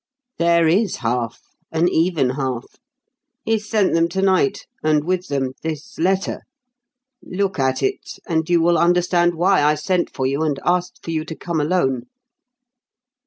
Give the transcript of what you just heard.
"There is half an even half. He sent them to night, and with them this letter. Look at it, and you will understand why I sent for you and asked you to come alone."